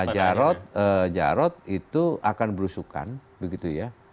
jarod jarod itu akan berusukan begitu ya